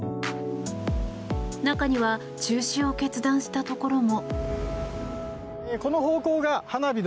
中には中止を決断したところも。